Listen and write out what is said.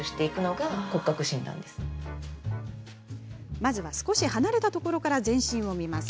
まずは、少し離れたところから全身を見ます。